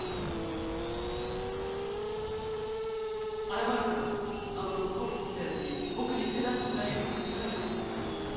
謝るからあの特攻服着たやつに僕に手出ししないよう言ってくれないか？